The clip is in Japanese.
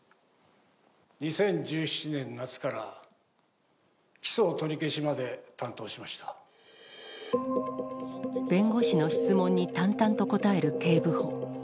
２０１７年夏から起訴取り消弁護士の質問に淡々と答える警部補。